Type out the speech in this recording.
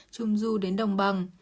trung du đến đồng bằng